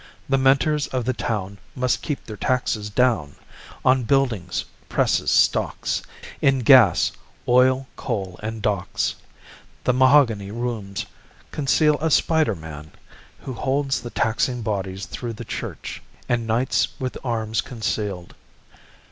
The mentors of the town Must keep their taxes down On buildings, presses, stocks In gas, oil, coal and docks. The mahogany rooms conceal a spider man Who holds the taxing bodies through the church, And knights with arms concealed.